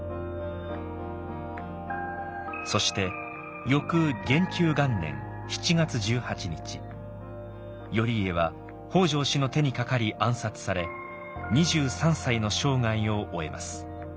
そして翌元久元年７月１８日頼家は北条氏の手にかかり暗殺され２３歳の生涯を終えます。